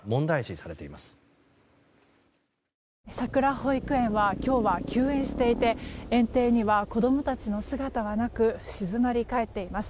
さくら保育園は今日は休園していて園庭には子供たちの姿はなく静まり返っています。